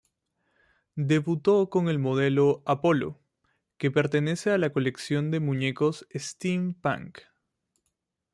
Debutó con el modelo "Apollo", que pertenece a la colección de muñecos Steampunk.